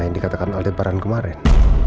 yang dikatakan aldebaran kemarin